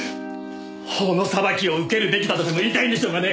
法の裁きを受けるべきだとでも言いたいんでしょうがね